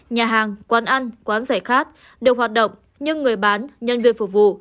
nhà hàng quán ăn quán giải khát đều hoạt động nhưng người bán nhân viên phục vụ